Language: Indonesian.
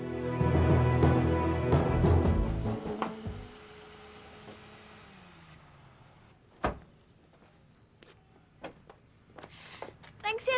terima kasih ya ren